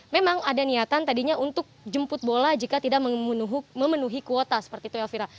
memang ada niatan tadinya untuk jemput bola jika tidak memenuhi kuota seperti itu elvira